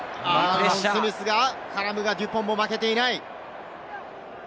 スミスが絡むが、デュポンも負けていない。